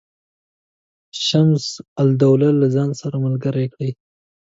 شمس الدوله له ځان سره ملګري کړي.